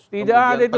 tidak ada itu